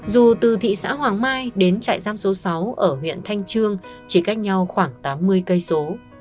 dù từ thị xã hoàng mai đến trại giam số sáu ở huyện thanh trương chỉ cách nhau khoảng tám mươi km